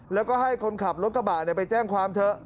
แล้วก็ให้คนขับรถกระบะไปแจ้งความเถอะ